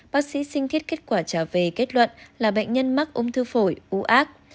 bác sĩ xin thiết kết quả trả về kết luận là bệnh nhân mắc u thủy phổi u ác